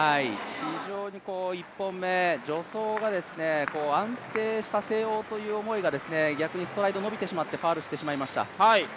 非常に１本目、助走が安定させようという思いが逆にストライド伸びてしまって、ファウルしてしまいました。